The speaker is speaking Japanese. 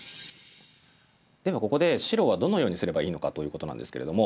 ではここで白はどのようにすればいいのかということなんですけれども。